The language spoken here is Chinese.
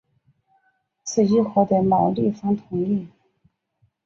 此议获得毛利方同意。